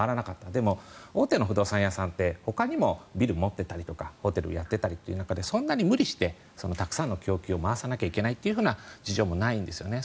でも、大手さんってほかにもビルを持っていたりホテルを持っている中でそんなに無理してたくさんの供給を回さなきゃいけない事情もないんですね。